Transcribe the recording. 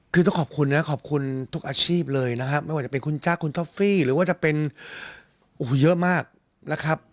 คือต้องขอบคุณนะขอบคุณทุกอาชีพเลยนะครับ